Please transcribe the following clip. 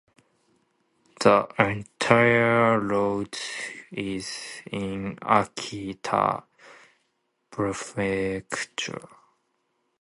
The entire route is in Akita Prefecture.